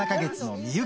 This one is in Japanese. みゆき？